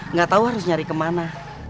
nggak tahu harus nyari kemana